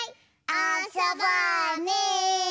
あそぼうね！